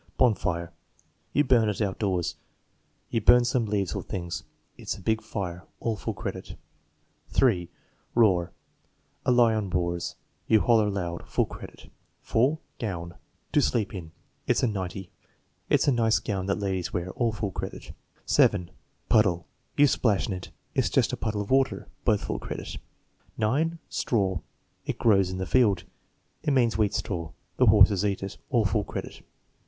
Bonfire. "You burn it outdoors." "You burn some leaves or things." "It's a big fire." (All full credit.) 3. Roar. "A lion roars." "You holler loud." (Full credit.) f 4. Gown. "To sleep in." "It's a nightie." "It's a nice gown that ladies wear." (All full credit.) 7. Puddle. "You splash in it." "It's just a puddle of water." (Both M credit.) 9. Straw. "It grows in the field," "It means wheat straw." "The horses eat it." (All full credit.)